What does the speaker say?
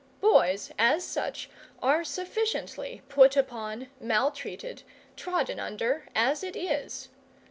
Boys, as such, are sufficiently put upon, maltreated, trodden under, as it is.